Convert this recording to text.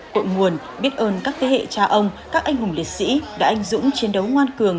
cội nguồn biết ơn các thế hệ cha ông các anh hùng liệt sĩ đã anh dũng chiến đấu ngoan cường